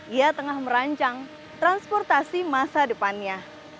ia tengah merancang transportasi masa depannya